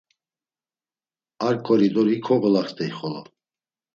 Ar ǩoridori kogolaxt̆ey xolo.